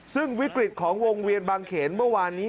ซึ่งวิกฤตของวงเวียนบางเขนเมื่อวานนี้